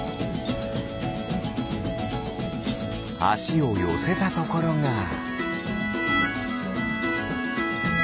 あしをよせたところが。